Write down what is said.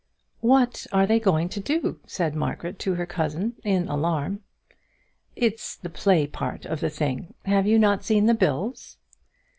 "What are they going to do?" said Margaret to her cousin, in alarm. "It's the play part of the thing. Have you not seen the bills?"